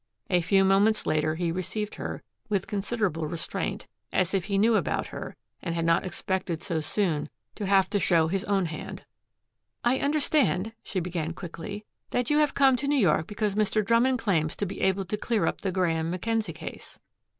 A few moments later he received her, with considerable restraint as if he knew about her and had not expected so soon to have to show his own hand. "I understand," she began quickly, "that you have come to New York because Mr. Drummond claims to be able to clear up the Graeme Mackenzie case."